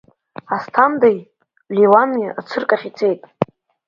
Асҭандеи, Леуани ацирк ахь ицеит.